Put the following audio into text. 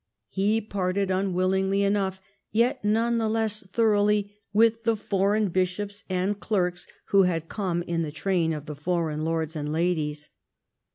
He parted, umvillingly enough, yet none the less thoroughly, with the foreign bishops and clerks, who had come in the train of the foreign lords and ladies.